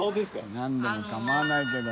「なんでも構わないけど」